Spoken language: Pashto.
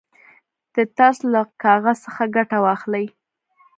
د ترس له کاغذ څخه ګټه واخلئ.